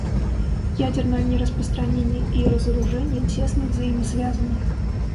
Ядерное нераспространение и разоружение тесно взаимосвязаны.